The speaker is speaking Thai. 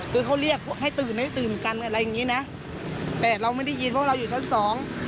คือเขาเรียกให้ตื่นให้ตื่นกันอะไรอย่างงี้นะแต่เราไม่ได้ยินเพราะเราอยู่ชั้นสอง